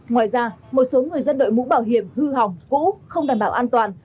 ngoài ra một số người dân đội mũ bảo hiểm hư hỏng cũ không đảm bảo an toàn